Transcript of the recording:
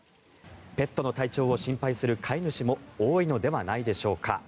ペットの体調を心配する飼い主も多いのではないでしょうか。